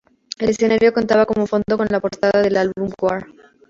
El escenario contaba como fondo con la portada del álbum War.